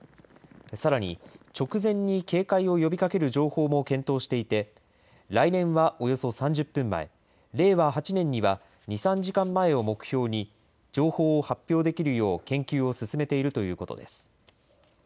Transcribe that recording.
さらに直前に警戒を呼びかける情報も検討していて、来年はおよそ３０分前、令和８年には２、３時間前を目標に、情報を発表できるよう研究を進めているということです。